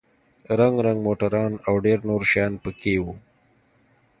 رنگ رنگ موټران او ډېر نور شيان پکښې وو.